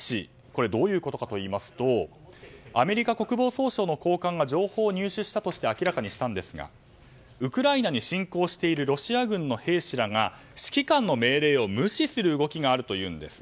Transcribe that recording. これどういうことかといいますとアメリカ国防総省の高官が情報を入手したとして明らかにしたんですがウクライナに侵攻しているロシア軍の兵士らが指揮官の命令を無視する動きがあるというんです。